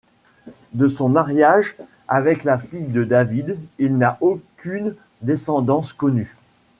De son mariage avec la fille de David, il n'a aucune descendance connue.